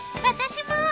私も！